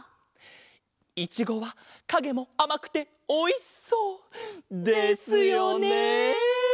いちごはかげもあまくておいしそう！ですよね。